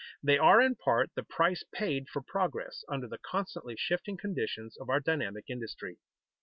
They are in part the price paid for progress under the constantly shifting conditions of our dynamic industry.